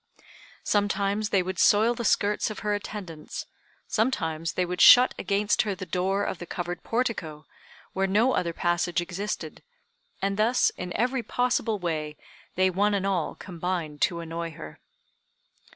Sometimes they would soil the skirts of her attendants, sometimes they would shut against her the door of the covered portico, where no other passage existed; and thus, in every possible way, they one and all combined to annoy her.